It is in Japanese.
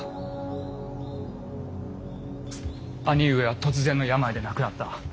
兄上は突然の病で亡くなった。